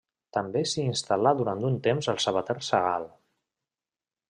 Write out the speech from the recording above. També s'hi instal·là durant un temps el sabater Sagal.